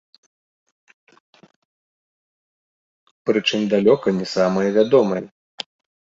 Прычым далёка не самыя вядомыя.